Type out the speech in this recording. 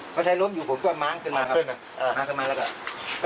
เมื่อไทยล้มอยู่ผมก็ม้างขึ้นมาครับอ่าม้างขึ้นมาแล้วกัน